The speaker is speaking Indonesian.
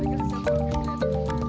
yang pasti tidak arogan